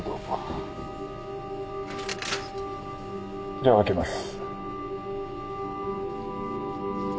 じゃあ開けます。